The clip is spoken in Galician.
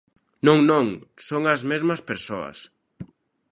Non, non, son as mesmas persoas.